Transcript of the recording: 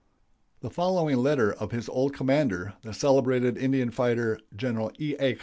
The following letter of his old commander, the celebrated Indian fighter, Gen. E. A.